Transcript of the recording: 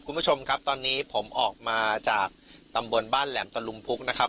คุณผู้ชมครับตอนนี้ผมออกมาจากตำบลบ้านแหลมตะลุมพุกนะครับ